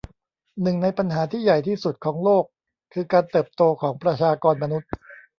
หนึ่งในปัญหาที่ใหญ่ที่สุดของโลกคือการเติบโตของประชากรมนุษย์